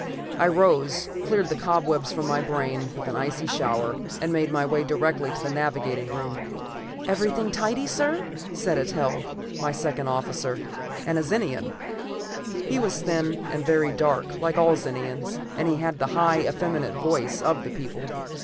I rose, cleared the cobwebs from my brain with an icy shower, and made my way directly to the navigating room. "Everything tidy, sir," said Eitel, my second officer, and a Zenian. He was thin and very dark, like all Zenians, and had the high, effeminate voice of that people.